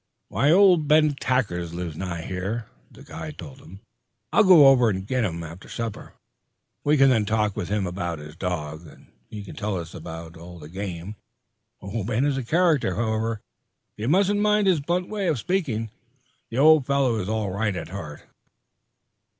"Old Ben Tackers lives nigh here," the guide told them. "I'll go over and get him after supper. We can then talk with him about his dog. He can tell us all about the game. Ben is a character. However, you mustn't mind his blunt way of speaking. The old fellow is all right at heart."